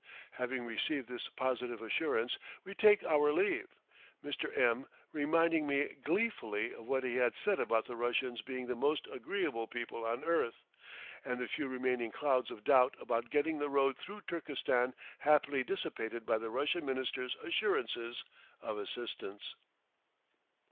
Having received this positive assurance, we take our leave, Mr. M reminding me gleefully of what he had said about the Russians being the most agreeable people on earth, and the few remaining clouds of doubt about getting the road through Turkestan happily dissipated by the Russian Minister's assurances of assistance.